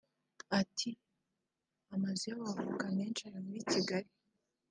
Ati “ Amazu y’abavoka menshi ari muri Kigali